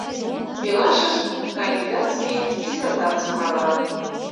Пелашышт кандидатский диссертацийым аралат.